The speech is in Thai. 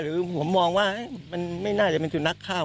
หรือหัวมองว่ามันไม่น่าจะมีศูนย์นักข้าม